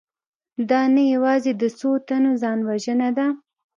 دا نه یوازې د څو تنو ځانوژنه ده